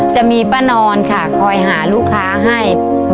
จะมีป้านอนค่ะคอยหาลูกค้าให้